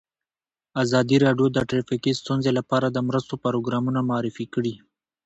ازادي راډیو د ټرافیکي ستونزې لپاره د مرستو پروګرامونه معرفي کړي.